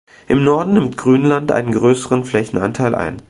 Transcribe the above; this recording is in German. Im Norden nimmt Grünland einen größeren Flächenanteil ein.